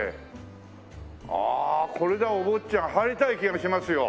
ああこれじゃお坊ちゃん入りたい気がしますよ。